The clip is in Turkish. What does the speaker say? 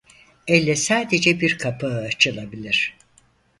Elle sadece bir kapağı açılabilir.